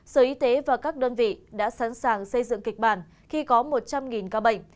sở y tế và các đơn vị đã sẵn sàng xây dựng kịch bản khi có một trăm linh ca bệnh